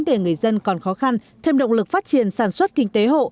để người dân còn khó khăn thêm động lực phát triển sản xuất kinh tế hộ